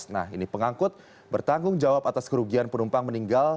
nah ini pengangkut bertanggung jawab atas kerugian penumpang meninggal